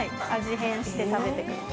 変して食べてください。